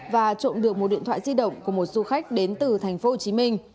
và trộm được một điện thoại di động của một du khách đến từ tp hồ chí minh